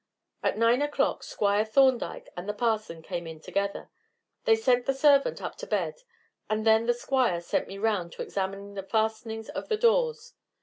At nine o'clock Squire Thorndyke and the Parson came in together. They sent the servant up to bed, and then the Squire sent me round to examine the fastenings of the doors.